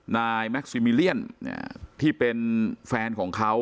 นายแม็กซิมิเลียนเนี้ยที่เป็นแฟนของเขา